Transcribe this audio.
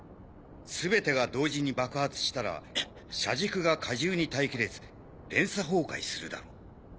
全てが同時に爆発したら車軸が荷重に耐え切れず連鎖崩壊するだろう。